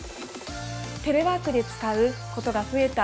◆テレワークで使うことが増えた